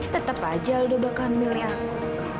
tetap aja lo bakal milih aku